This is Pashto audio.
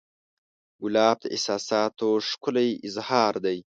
ګلاب د احساساتو ښکلی اظهار دی.